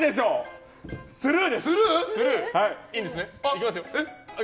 いきますよ。